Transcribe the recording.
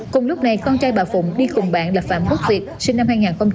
cùng lúc này con trai bà phụng đi cùng bạn là phạm quốc việt sinh năm hai nghìn